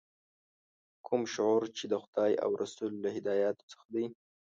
کوم شعور چې د خدای او رسول له هدایاتو څخه دی.